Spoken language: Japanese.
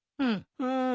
うん。